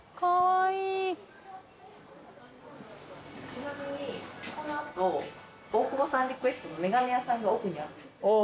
ちなみにこの後大久保さんリクエストの眼鏡屋さんが奥にある。